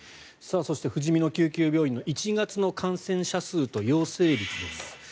そしてふじみの救急病院の１月の感染者数と陽性率です。